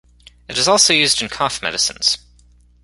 It is also used in cough medicines.